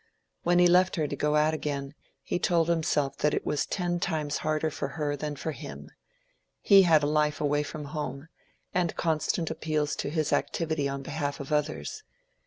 When he left her to go out again, he told himself that it was ten times harder for her than for him: he had a life away from home, and constant appeals to his activity on behalf of others.